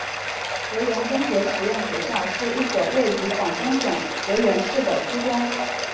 河源中学实验学校是一所位于广东省河源市的初中。